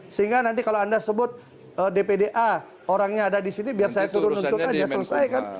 sehingga nanti kalau anda sebut dpd a orangnya ada di sini biar saya turun untuk aja selesai kan